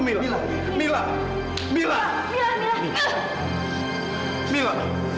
kamilah udah gak butuh